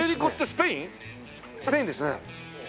スペインですね。